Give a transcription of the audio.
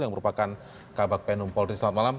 yang merupakan kabak penum polri selamat malam